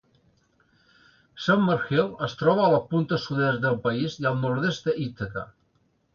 Summerhill es troba a la punta sud-est del país i al nord-est d'Ithaca.